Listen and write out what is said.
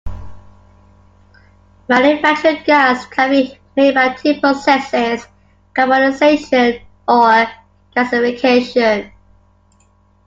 Manufactured gas can be made by two processes: carbonization or gasification.